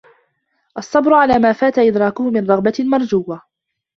الصَّبْرُ عَلَى مَا فَاتَ إدْرَاكُهُ مِنْ رَغْبَةٍ مَرْجُوَّةٍ